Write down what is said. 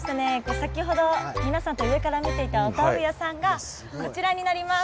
先ほど皆さんと上から見ていたお豆腐屋さんがこちらになります。